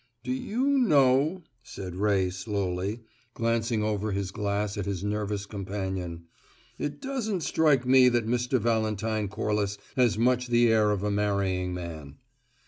"Do you know," said Ray slowly, glancing over his glass at his nervous companion, "it doesn't strike me that Mr. Valentine Corliss has much the air of a marrying man."